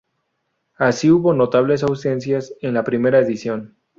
Así hubo notables ausencias en la primera edición.